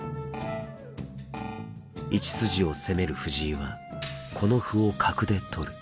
１筋を攻める藤井はこの歩を角で取る。